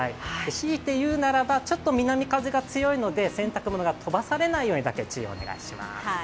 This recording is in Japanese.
強いて言うならば、ちょっと南風が強いので、洗濯物が飛ばされないようにだけ注意をお願いします。